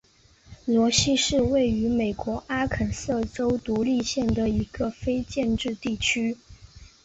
罗西是位于美国阿肯色州独立县的一个非建制地区。